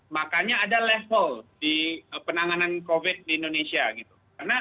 makanya ada level di penanganan covid di indonesia gitu